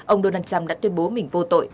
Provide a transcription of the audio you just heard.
ông donald trump đã tuyên bố mình vô tội